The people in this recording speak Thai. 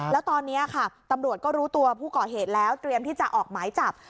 แล้วตอนนี้ค่ะตำรวจก็รู้ตัวผู้ก่อเหตุแล้วเตรียมที่จะออกหมายจับ